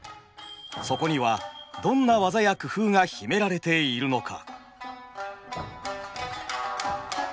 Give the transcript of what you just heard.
そこにはどんな技や工夫が秘められているのか。